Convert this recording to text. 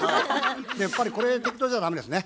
やっぱりこれ適当じゃ駄目ですね。